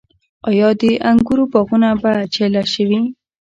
آیا د انګورو باغونه په چیله شوي؟